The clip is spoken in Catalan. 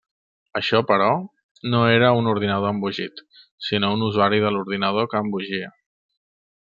Això, però, no era un ordinador embogit, sinó un usuari de l'ordinador que embogia.